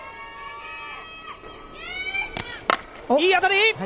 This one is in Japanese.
いい当たり！